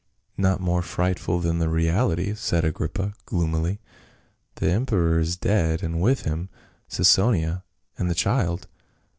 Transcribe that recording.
"Not more frightful than the reality," said Agrippa gloomily. " The emperor is dead, and with him Cesonia and the child."